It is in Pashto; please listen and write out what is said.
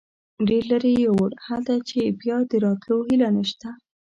ډېر لرې یې یوړل، هلته چې بیا د راتلو هیله نشته.